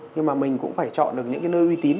nhưng mà mình cũng phải chọn được những cái nơi uy tín